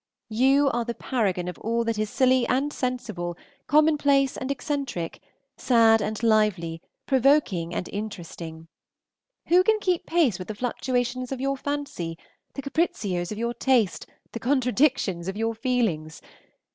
You are the paragon of all that is silly and sensible, commonplace and eccentric, sad and lively, provoking and interesting. Who can keep pace with the fluctuations of your fancy, the capprizios of your taste, the contradictions of your feelings?